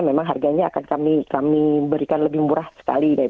memang harganya akan kami berikan lebih murah sekali